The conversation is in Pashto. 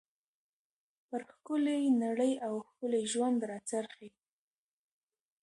پر ښکلى نړۍ او ښکلي ژوند را څرخي.